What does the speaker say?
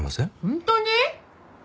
本当に！？